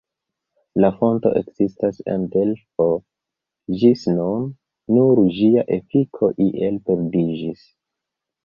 La fonto ekzistas en Delfo ĝis nun, nur ĝia efiko iel perdiĝis.